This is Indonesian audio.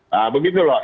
nah begitu loh